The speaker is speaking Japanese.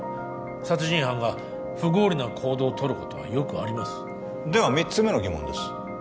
殺人犯が不合理な行動を取ることはよくありますでは三つ目の疑問です